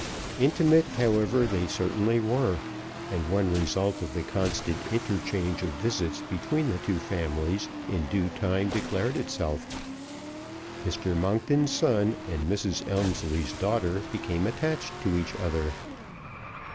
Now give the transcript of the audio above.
Intimate, however, they certainly were, and one result of the constant interchange of visits between the two families in due time declared itself: Mr. Monkton's son and Mrs. Elmslie's daughter became attached to each other.